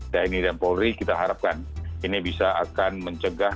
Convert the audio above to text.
tni dan polri kita harapkan ini bisa akan mencegah